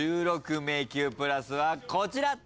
１６迷宮プラスはこちら。